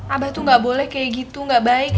abah tuh gak boleh kayak gitu gak baik